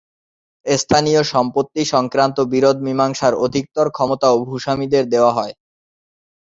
স্থানীয় সম্পত্তি সংক্রান্ত বিরোধ মীমাংসার অধিকতর ক্ষমতাও ভূস্বামীদের দেওয়া হয়।